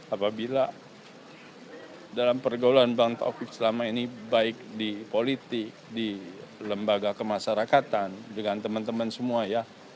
apabila dalam pergaulan bang taufik selama ini baik di politik di lembaga kemasyarakatan dengan teman teman semua ya